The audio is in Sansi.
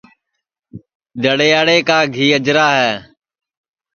دڑے یاڑے کا گھی اجرا ہے